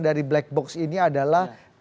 dari black box ini adalah